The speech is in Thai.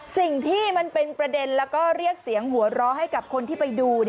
สิ่งที่มันเป็นประเด็นแล้วก็เรียกเสียงหัวเราะให้กับคนที่ไปดู